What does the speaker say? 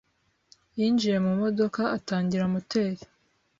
yinjiye mu modoka atangira moteri.